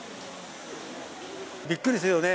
びっくりですよね。